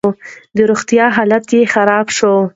د روغتيا حالت يې خراب شو.